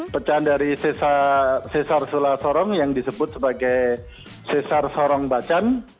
pecahan dari sesar sula sorong yang disebut sebagai sesar sorong bacan